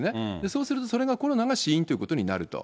そうするとそれが、コロナが死因ということになると。